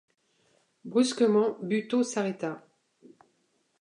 Brusquement, Buteau s’arrêta.